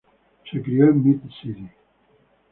Se crio en Mid-City.